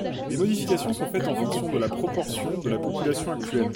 Les modifications sont faites en fonction de la proportion de la population actuelle.